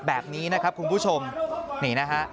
แบบนี้นะครับคุณผู้ชมนี่นะฮะ